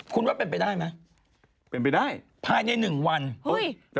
ก็ดักดานั่งอยู่ตรงนี้ต่อไป